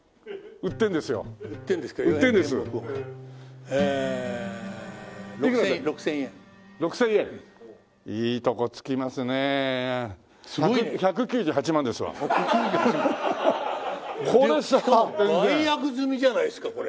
「売約済」じゃないですかこれ！